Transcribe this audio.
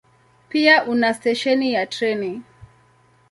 Pia una stesheni ya treni.